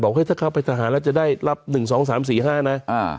ถ้าเข้าไปทหารแล้วจะได้รับ๑๒๓๔๕นะ